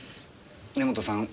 根元さん